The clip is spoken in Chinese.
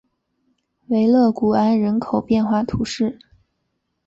维勒古安人口变化图示